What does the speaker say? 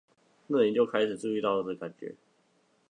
那年就開始注意到的感覺